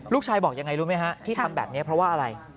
ลูกชายบอกยังไงรู้ไหมฮะที่ทำแบบนี้เพราะว่าอะไร